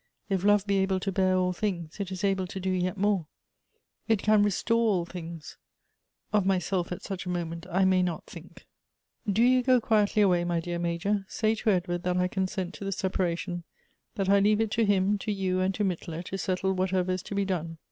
If love be able to bear all things, it is able to do yet more ; it can restore all things : of myself at such a moment I may not think. Elective Affinities. 285 ' "Do you go quietly away, my dear Major; say to Edward that I consent to the separation ; that I leave it to him, to you, and to Mittler, to settle whatever is to be done.